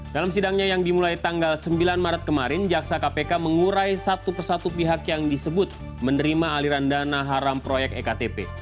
dalam sidangnya yang dimulai tanggal sembilan maret kemarin jaksa kpk mengurai satu persatu pihak yang disebut menerima aliran dana haram proyek ektp